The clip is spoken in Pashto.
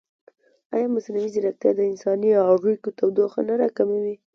ایا مصنوعي ځیرکتیا د انساني اړیکو تودوخه نه راکموي؟